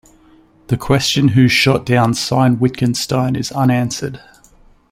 The question who shot down Sayn-Wittgenstein is unanswered.